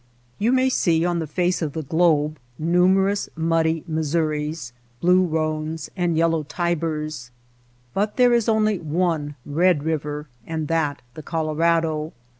You may see on the face of the globe numer ous muddy Missouris, blue Ehones, and yellow Tibers ; but there is only one red river and that the Colorado.